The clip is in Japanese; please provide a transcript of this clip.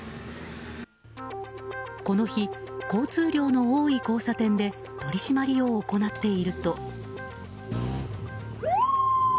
この日、交通量の多い交差点で取り締まりを行っていると。